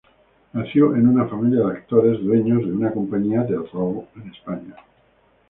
Nació en una familia de actores, dueños de una compañía teatral en España.